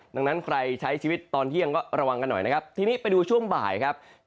ดังนั้นใครใช้ชีวิตตอนเที่ยงก็ระวังกันหน่อยนะครับทีนี้ไปดูช่วงบ่ายครับ